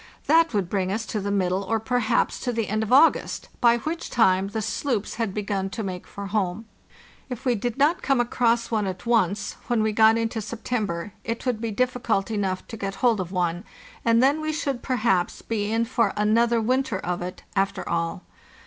That would bring us to the middle or perhaps to the end of August, by which time the sloops had begun to make for home. If we did not come across one at once, when we got into September it would be difficult enough to get hold of one, and then we should perhaps be in for another winter of it, after all.